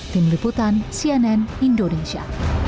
tim liputan cnn indonesia